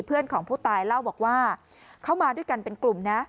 เพื่อนของผู้ตายเล่าบอกว่าเขามาด้วยกันเป็นกลุ่มนะ